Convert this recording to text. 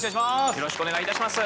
よろしくお願いします。